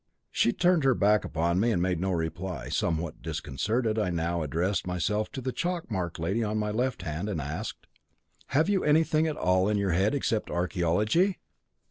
She turned her back upon me and made no reply. Somewhat disconcerted, I now addressed myself to the chalk marked lady on my left hand, and asked: 'Have you anything at all in your head except archæology?'